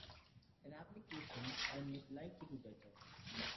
In applications one would like to do better.